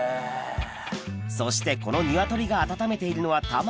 そしてこのニワトリが温めているのはへぇ！